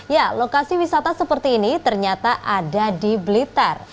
ya lokasi wisata seperti ini ternyata ada di blitar